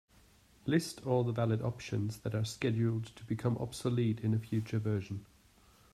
List all the valid options that are scheduled to become obsolete in a future version.